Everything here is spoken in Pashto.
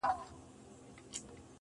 له هرې ميکدې په خدای پامان وځي~